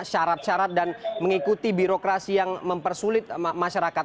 syarat syarat dan mengikuti birokrasi yang mempersulit masyarakat